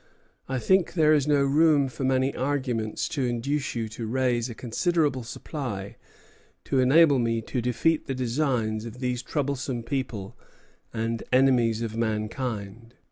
I think there is no room for many arguments to induce you to raise a considerable supply to enable me to defeat the designs of these troublesome people and enemies of mankind."